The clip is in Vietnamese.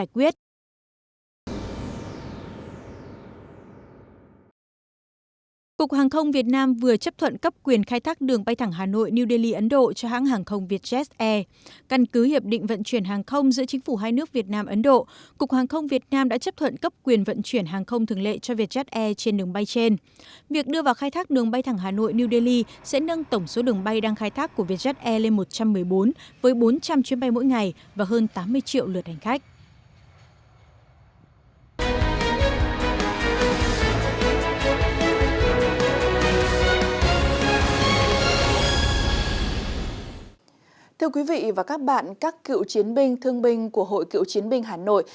quý vị và các bạn các cựu chiến binh thương binh của hội cựu chiến binh hà nội